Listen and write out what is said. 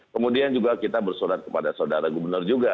kemudian juga kita bersurat kepada saudara gubernur juga